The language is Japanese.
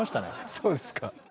そうですか